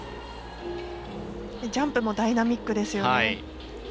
ジャンプもダイナミックですよね。